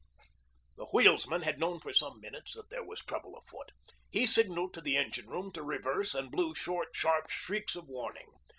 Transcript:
The wheelsman had known for some minutes that there was trouble afoot. He signaled to the engine room to reverse and blew short, sharp shrieks of warning.